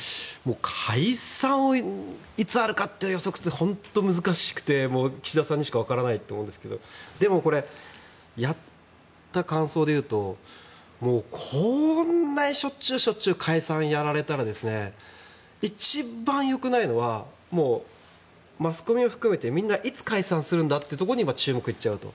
解散がいつあるかって予測するのって難しくて岸田さんにしか分からないと思うんですけどでも、やった感想で言うとこんなにしょっちゅう解散やられたら一番良くないのはマスコミを含めて、みんないつ解散するんだというところに注目がいっちゃうと。